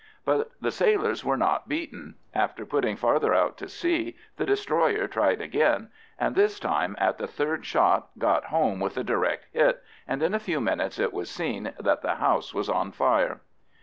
But the sailors were not beaten. After putting farther out to sea, the destroyer tried again, and this time at the third shot got home with a direct hit, and in a few minutes it was seen that the house was on fire.